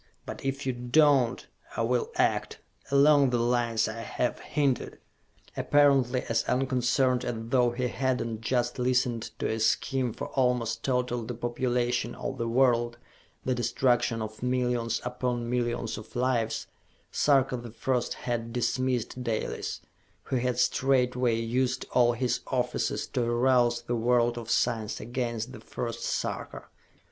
But if you do not, I will act ... along the lines I have hinted!" Apparently as unconcerned as though he had not just listened to a scheme for almost total depopulation of the world, the destruction of millions upon millions of lives, Sarka the First had dismissed Dalis who had straightway used all his offices to arouse the world of science against the first Sarka.